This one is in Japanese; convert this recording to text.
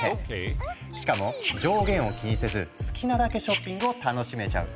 しかも上限を気にせず好きなだけショッピングを楽しめちゃう。